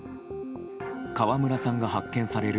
川村さんが発見される